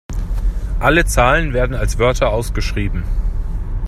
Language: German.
Alle Zahlen werden als Wörter ausgeschrieben.